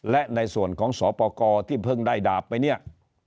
และในส่วนของสปกรที่เพิ่งได้ดาบไปเนี่ย